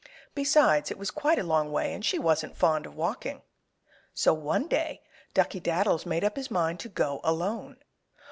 Besides, it was quite a long way, and she wasn't fond of walking. So one day Duckey Daddles made up his mind to go alone.